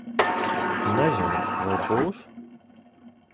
Nezinu. Vai būs?